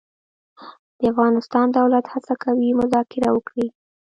د افغانستان دولت هڅه کوي مذاکره وکړي.